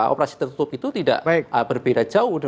operasi tertutup itu tidak berbeda jauh